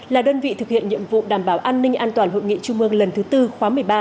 là đơn vị thực hiện nhiệm vụ đảm bảo an ninh an toàn hội nghị trung mương lần thứ tư khóa một mươi ba